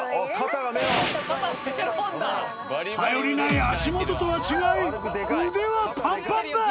頼りない足元とは違い腕はパンパンだ！